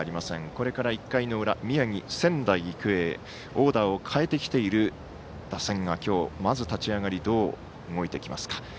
これから１回の裏宮城の仙台育英オーダーを変えてきている打線が、まず立ち上がりどう動いてきますか。